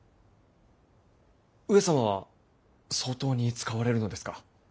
上様は相当に使われるのですか？